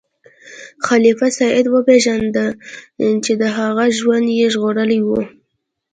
خلیفه سید وپیژنده چې د هغه ژوند یې ژغورلی و.